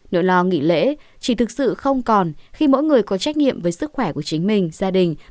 nội lo nghỉ lễ chỉ thực sự không còn khi mỗi người có trách nhiệm với sức khỏe của chính mình